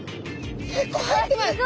結構入ってます。